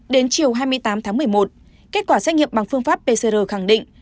đến chiều hai mươi tám tháng một mươi một kết quả xét nghiệm bằng phương pháp pcr khẳng định